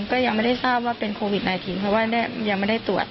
ก็ยังไม่ได้ทราบว่าเป็นโควิด๑๙เพราะว่ายังไม่ได้ตรวจ